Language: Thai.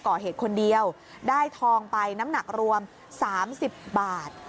ก่อเหตุคนเดียวได้ทองไปน้ำหนักรวม๓๐บาท